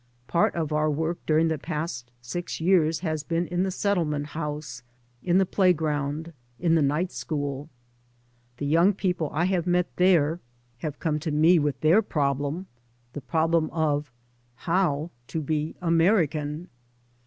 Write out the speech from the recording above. Part of our work during the past six years has been in the settlement house. In the playground, In the night school. The young people I have met there have come to 3 by Google MY MOTHER AND 2 me with their problem, the problem of *' how to be American."